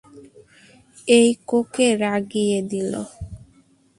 এইকোকে রাগিয়ে দিলো!